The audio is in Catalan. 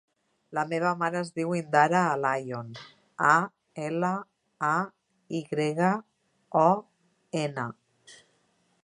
La meva mare es diu Indara Alayon: a, ela, a, i grega, o, ena.